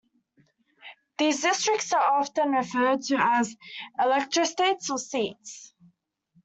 These districts are often referred to as "electorates" or "seats".